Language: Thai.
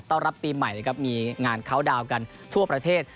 เต้ารับปีใหม่นะครับมีงานเคาน์ดาวน์กันทั่วประเทศ